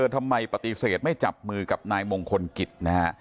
ทำไมปฏิเสธไม่จับมือกับนายมงคลกิจนะฮะ